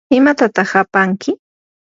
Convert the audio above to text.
¿imatataq apanki?